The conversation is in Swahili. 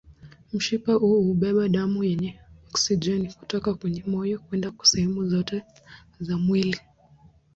Mshipa huu hubeba damu yenye oksijeni kutoka kwenye moyo kwenda sehemu zote za mwili.